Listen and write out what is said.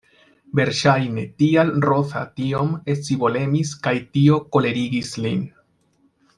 Verŝajne tial Roza tiom scivolemis kaj tio kolerigis lin.